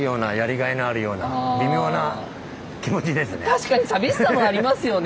確かに寂しさもありますよね。